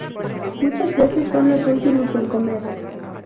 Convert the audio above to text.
Muchas veces son los últimos en comer.